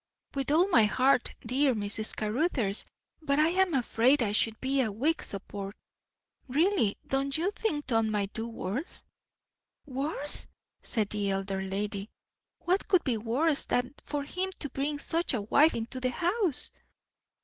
"With all my heart, dear Mrs. Caruthers; but I am afraid I should be a weak support. Really, don't you think Tom might do worse?" "Worse?" said the elder lady; "what could be worse than for him to bring such a wife into the house?"